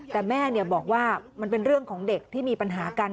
แต่แม่บอกว่ามันเป็นเรื่องของเด็กที่มีปัญหากัน